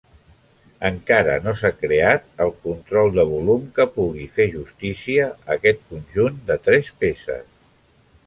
Encara no s'ha creat el control de volum que pugui fer justícia a aquest conjunt de tres peces!